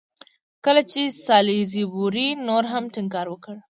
کله چې سالیزبوري نور هم ټینګار وکړ.